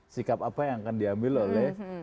sikap apa yang akan diambil oleh